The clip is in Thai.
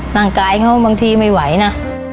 ร่างกายเขาบางทีไม่ไหวนะ